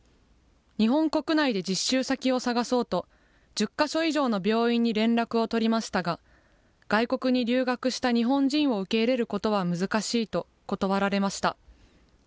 日本国内で実習先を探そうと、１０か所以上の病院に連絡を取りましたが、外国に留学した日本人を受け入れることは難しいと断られました。